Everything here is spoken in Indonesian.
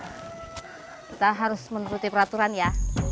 kita harus menuruti peraturan ya